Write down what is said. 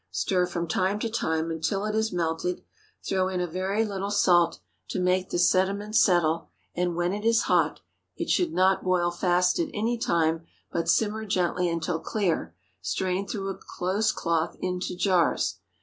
Stir from time to time until it is melted; throw in a very little salt, to make the sediment settle; and when it is hot—(it should not boil fast at any time, but simmer gently until clear)—strain through a close cloth into jars.